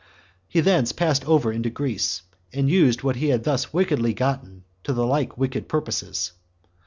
He thence passed over into Greece, and used what he had thus wickedly gotten to the like wicked purposes.